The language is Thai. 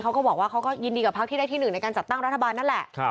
เขาก็บอกว่าเขาก็ยินดีกับพักที่ได้ที่หนึ่งในการจัดตั้งรัฐบาลนั่นแหละ